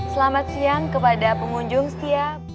selamat siang kepada pengunjung setia